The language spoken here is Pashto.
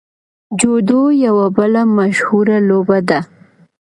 جودو یوه بله مشهوره لوبه ده.